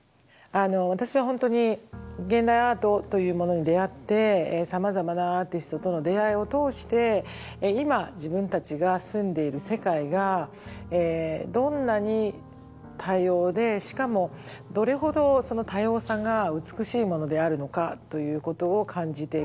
私は本当に現代アートというものに出会ってさまざまなアーティストとの出会いを通して今自分たちが住んでいる世界がどんなに多様でしかもどれほどその多様さが美しいものであるのかということを感じてきました。